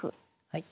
はい。